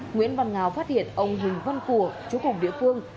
nguyễn văn ngào phát hiện ông huỳnh văn cùa chú khổng địa phương